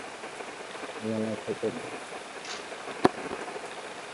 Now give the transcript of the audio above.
এগুলোর মধ্যে দুটি দুই তারকা এবং একটি তিন তারকা রেস্টুরেন্ট।